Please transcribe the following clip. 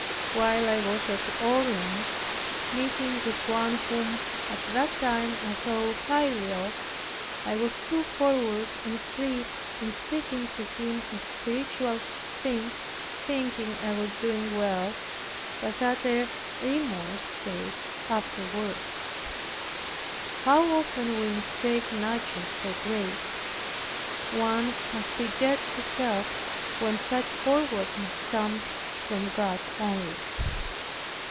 While I was at Orleans, meeting with one whom at that time I thought highly of, I was too forward and free in speaking to him of spiritual things, thinking I was doing well, but had a remorse for it afterwards. How often we mistake nature for grace! One must be dead to self, when such fowardness comes from God only.